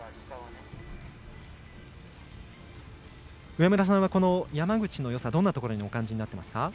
上村さんは山口のよさ、どんなところにお感じになっていますか？